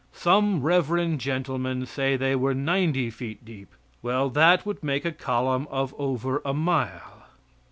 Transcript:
Some reverend gentlemen say they were ninety feet deep. Well, that would make a column of over a mile.